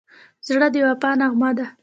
زړه د وفا نغمه ده.